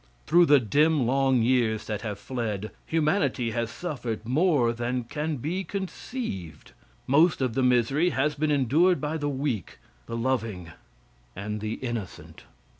Through the dim long years that have fled, humanity has suffered more than can be conceived. Most of the misery has been endured by the weak, the loving and the innocent.